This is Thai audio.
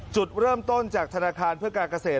จุดเริ่มต้นจากธนาคารเพื่อการเกษตร